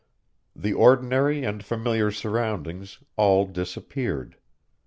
The ordinary and familiar surroundings all disappeared.